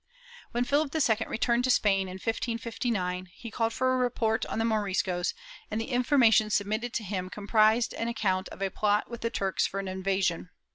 When Philip II returned to Spain, in 1559, he called for a report on the Moriscos, and the information submitted to him comprised an account of a plot with the Turks for an invasion.'